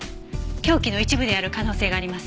凶器の一部である可能性があります。